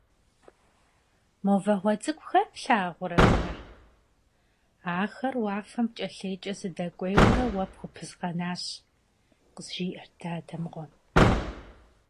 «Мо вагъуэ цӏыкӏухэр плъагъурэ, Кӏунэ? Ахэр уафэм пкӏэлейкӏэ сыдэкӏуейри уэ пхупызгъэнащ», къызжиӏэрт дадэ мыгъуэм.